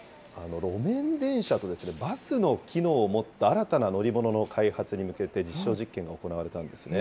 路面電車とバスの機能を持った新たな乗り物の開発に向けて実証実験が行われたんですね。